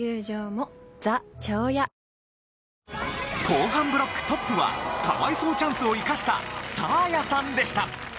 後半ブロックトップは可哀想チャンスを生かしたサーヤさんでした。